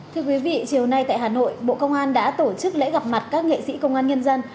thưa quý vị chiều nay tại hà nội bộ công an đã tổ chức lễ gặp mặt các nghệ sĩ công an nhân dân